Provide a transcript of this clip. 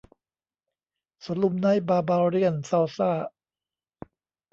สวนลุมไนท์บาร์บาเรี่ยนซัลซ่า !